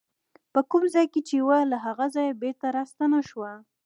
په کوم ځای کې چې وه له هغه ځایه بېرته راستنه شوه.